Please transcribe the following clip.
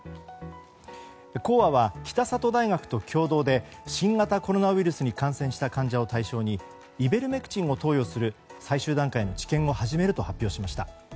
興和は、北里大学と共同で新型コロナウイルスに感染した患者を対象にイベルメクチンを投与する最終段階の治験を始めると発表しました。